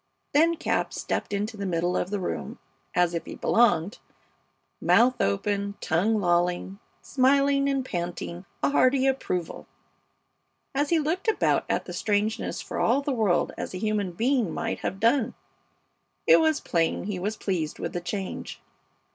Then Cap stepped into the middle of the room as if he belonged, mouth open, tongue lolling, smiling and panting a hearty approval, as he looked about at the strangeness for all the world as a human being might have done. It was plain he was pleased with the change.